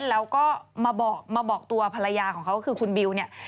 แล้วก็มาบอกมาบอกตัวภรรยาของเขาก็คือคุณบิวเนี่ย